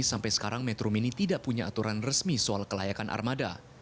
sampai sekarang metro mini tidak punya aturan resmi soal kelayakan armada